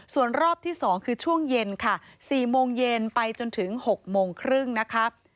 ส่วนรอบที่๒คือช่วงเย็นค่ะ๔โมงเย็นไปจนถึง๖โมงครึ่งนะคะ